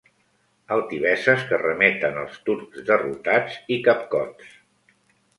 Altiveses que remeten als turcs derrotats i capcots.